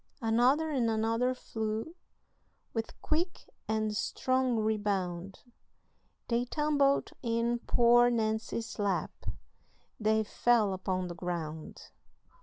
Another and another flew, With quick and strong rebound, They tumbled in poor Nancy's lap, They fell upon the ground.